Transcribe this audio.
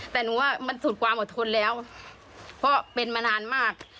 แต่หนูว่ามันสุดความอดทนแล้วเพราะเป็นมานานมาก